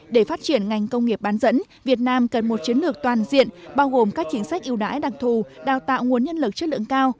để phát triển ngành công nghiệp bán dẫn việt nam cần một chiến lược toàn diện bao gồm các chính sách yêu đãi đặc thù đào tạo nguồn nhân lực chất lượng cao